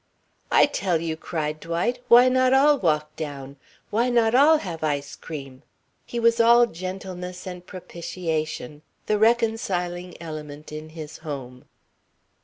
"I tell you," cried Dwight. "Why not all walk down? Why not all have ice cream...." He was all gentleness and propitiation, the reconciling element in his home.